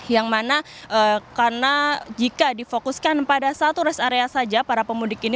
yang mana karena jika difokuskan pada satu rest area saja para pemudik ini